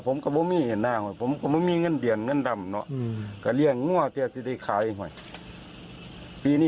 ปีนี้คล้ายแล้ว๓ตัวแล้วปีน